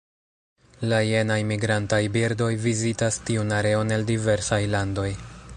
La jenaj migrantaj birdoj vizitas tiun areon el diversaj landoj.